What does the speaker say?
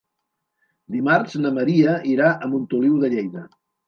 Dimarts na Maria irà a Montoliu de Lleida.